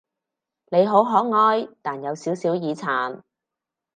你好可愛，但有少少耳殘